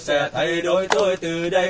sẽ thay đổi tôi từ đây